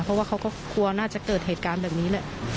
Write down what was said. เพราะว่าเขาก็กลัวน่าจะเกิดเหตุการณ์แบบนี้แหละ